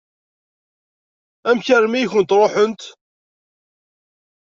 Amek armi i kent-ṛuḥent?